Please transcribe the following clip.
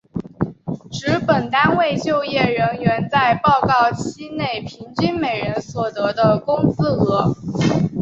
指本单位就业人员在报告期内平均每人所得的工资额。